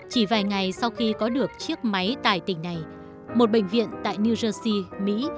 chỉ vài ngày sau khi có được chiếc máy tài tình này một bệnh viện tại new jersey mỹ